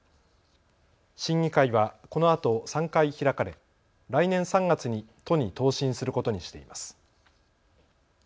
審議会はこのあと３回開かれ来年３月に都に答申することにしています。